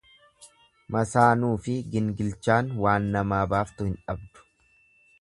Masaanuufi gingilchaan waan namaa baaftu hin dhabdu.